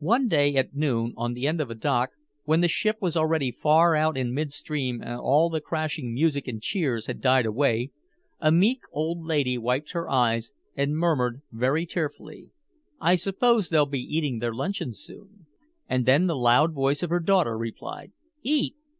One day at noon, on the end of a dock, when the ship was already far out in midstream and all the crashing music and cheers had died away, a meek old lady wiped her eyes and murmured very tearfully, "I suppose they'll be eating their luncheon soon." And then the loud voice of her daughter replied: "Eat?